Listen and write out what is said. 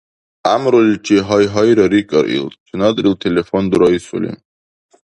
— ГӀямруличи, гьайгьайра, — рикӀар ил, чинадрил телефон дурайсули.